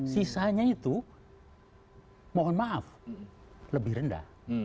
sisanya itu mohon maaf lebih rendah